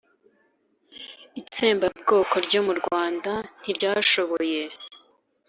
itsembabwoko ryo mu rwanda ntiryashoboye